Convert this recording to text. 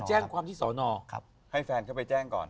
แจ้งความที่สอนอให้แฟนเข้าไปแจ้งก่อน